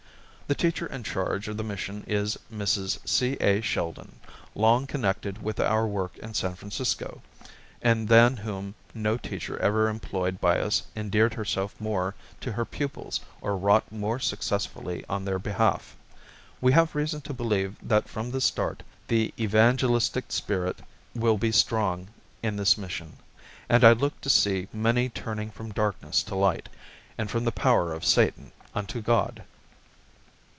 The teacher in charge of the mission is Mrs. C.A. Sheldon, long connected with our work in San Francisco, and than whom no teacher ever employed by us endeared herself more to her pupils or wrought more successfully on their behalf. We have reason to believe that from the start the evangelistic spirit will be strong in this mission, and I look to see many turning from darkness to light, and from the power of Satan unto God.